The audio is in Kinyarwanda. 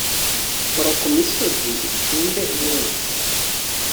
kora ku misozi, icumbe umwotsi